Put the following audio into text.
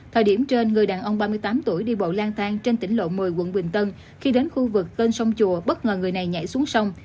thời điểm trên người đàn ông ba mươi tám tuổi đi bộ lang thang trên tỉnh lộ một mươi quận bình tân khi đến khu vực tên sông chùa bất ngờ người này nhảy xuống sông